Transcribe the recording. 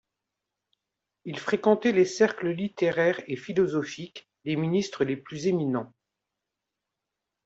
Il fréquentait les cercles littéraires et philosophiques des ministres les plus éminents.